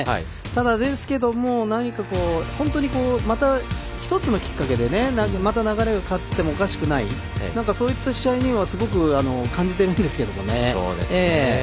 ですけども、何か本当にまた１つのきっかけで流れが変わってもおかしくないそういった試合にはすごく感じてるんですけどね。